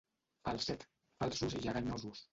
Falset, falsos i lleganyosos.